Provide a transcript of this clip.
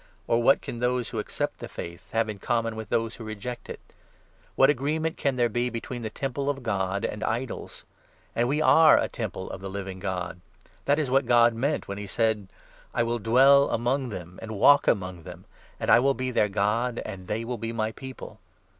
or 15 what can those who accept the Faith have in common with those who reject it ? What agreement can there be between 16 a temple of God and idols ? And we are a temple of the Living God. That is what God meant when he said —' I will dwell among them, and walk among them ; And I will be their God, and they shall be my people.